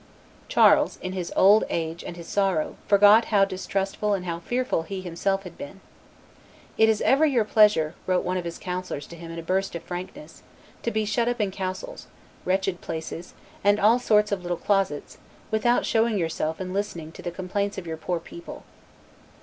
Charles, in his old age and his sorrow, forgot how distrustful and how fearful he himself had been. "It is ever your pleasure," wrote one of his councillors to him in a burst of frankness, "to be shut up in castles, wretched places, and all sorts of little closets, without showing yourself and listening to the complaints of your poor people."